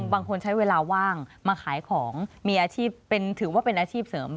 บางคนใช้เวลาว่างมาขายของมีอาชีพถือว่าเป็นอาชีพเสริม